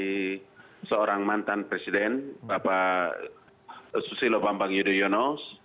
dari seorang mantan presiden bapak susilo bambang yudhoyono